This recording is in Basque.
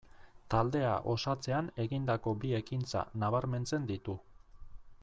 Taldea osatzean egindako bi ekintza nabarmentzen ditu.